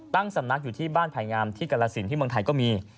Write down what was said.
ตั้งสำนักอยู่ที่บ้านไผ่งามที่กรสินที่เมืองไทยก็มี